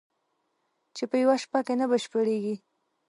چې په یوه شپه کې نه بشپړېږي